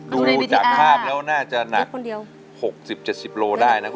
ดูจากภาพแล้วน่าจะหนัก๖๐๗๐โลได้นะคุณ